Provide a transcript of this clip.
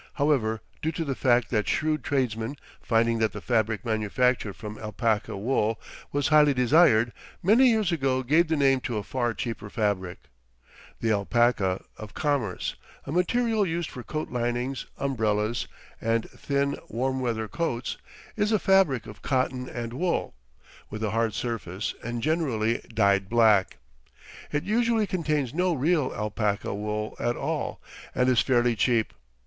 However, due to the fact that shrewd tradesmen, finding that the fabric manufactured from alpaca wool was highly desired, many years ago gave the name to a far cheaper fabric, the "alpaca" of commerce, a material used for coat linings, umbrellas, and thin, warm weather coats, is a fabric of cotton and wool, with a hard surface, and generally dyed black. It usually contains no real alpaca wool at all, and is fairly cheap.